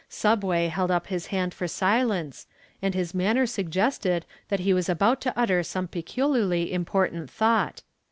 "Subway" held up his hand for silence, and his manner suggested that he was about to utter some peculiarly important thought.